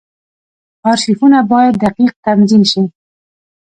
ارشیفونه باید دقیق تنظیم شي.